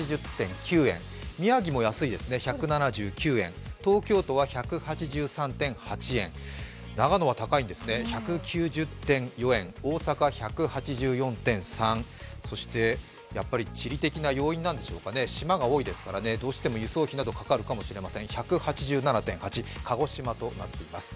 宮城も安いですね、１７９円、東京都は１８３．８円、長野は高いんですね、１９０．４円大阪、１８４．３、そして地理的な要因なんでしょうかね、島が多いですから、どうしても輸送費などがかかるのかもしれません、１８７．８、鹿児島となっています。